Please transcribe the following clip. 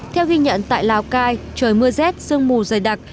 theo ghi nhận tại lào cai trời mưa rét sương mù dày đặc